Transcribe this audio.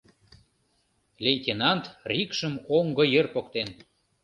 Лейтенант рикшым оҥго йыр поктен.